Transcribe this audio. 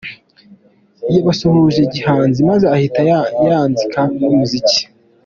Yabasuhuje gihanzi maze ahita yanzika n’umuziki.